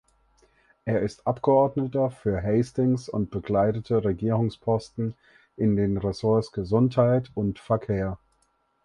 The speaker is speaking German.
Er ist Abgeordneter für Hastings und bekleidete Regierungsposten in den Ressorts Gesundheit und Verkehr.